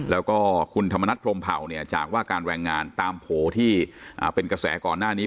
แล้วก็คุณธรรมนัฐพรมเผาเนี่ยจากว่าการแรงงานตามโผล่ที่เป็นกระแสก่อนหน้านี้